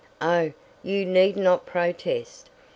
Oh, you need not protest!